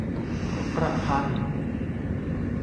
ประพันธ์